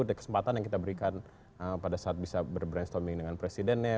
ada kesempatan yang kita berikan pada saat bisa berbrainstoming dengan presidennya